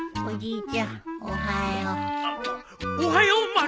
おはよう。